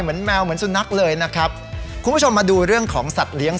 แมวเหมือนสุนัขเลยนะครับคุณผู้ชมมาดูเรื่องของสัตว์เลี้ยง